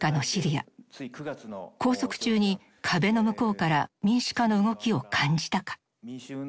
拘束中に壁の向こうから民主化の動きを感じたか。